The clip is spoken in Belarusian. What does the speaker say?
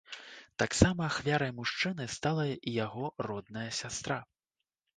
Таксама ахвярай мужчыны стала і яго родная сястра.